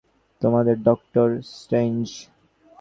তোমাদের Doctor strange?